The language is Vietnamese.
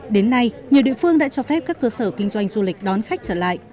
đến nay nhiều địa phương đã cho phép các cơ sở kinh doanh du lịch đón khách trở lại